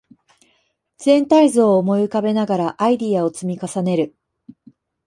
全体像を思い浮かべながらアイデアを積み重ねる